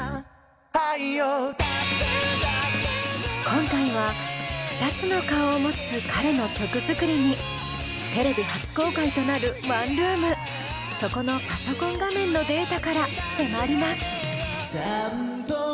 今回は２つの顔を持つ彼の曲作りにテレビ初公開となるワンルームそこのパソコン画面のデータから迫ります。